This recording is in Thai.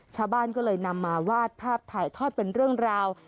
ชาวบ้านก็เลยนำมาวาดภาพถ่ายทอดเป็นเรื่องราว